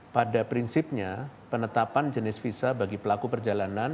pada prinsipnya penetapan jenis visa bagi pelaku perjalanan